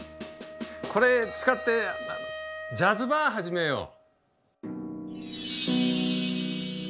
これ使ってジャズバー始めよう。